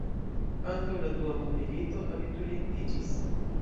Antaŭ la dua mondmilito abiturientiĝis.